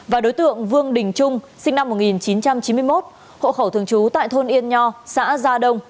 và đối tượng vương đình trung sinh năm một nghìn chín trăm chín mươi một hộ khẩu thường trú tại thôn yên nho xã gia đông